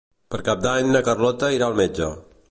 Per Cap d'Any na Carlota irà al metge.